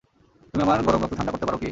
তুমি আমার গরম রক্ত ঠাণ্ডা করতে পার কি?